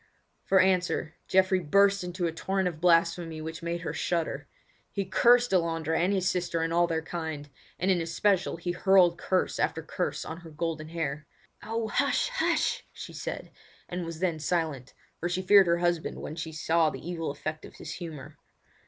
For answer, Geoffrey burst into a torrent of blasphemy which made her shudder. He cursed Delandre and his sister and all their kind, and in especial he hurled curse after curse on her golden hair. "Oh, hush! hush!" she said, and was then silent, for she feared her husband when she saw the evil effect of his humour.